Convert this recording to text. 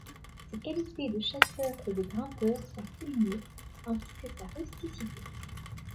Ses qualités de chasseur et de grimpeur sont soulignées, ainsi que sa rusticité.